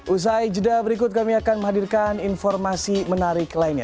usai jeda berikut kami akan menghadirkan informasi menarik lainnya